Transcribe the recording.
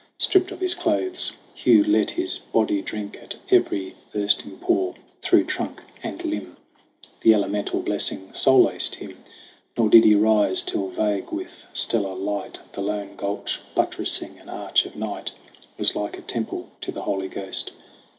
Stripped of his clothes, Hugh let his body drink At every thirsting pore. Through trunk and limb The elemental blessing solaced him ; Nor did he rise till, vague with stellar light, The lone gulch, buttressing an arch of night, Was like a temple to the Holy Ghost.